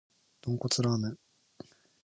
豚骨ラーメン